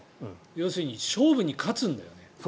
要するに勝負に勝つんだよ。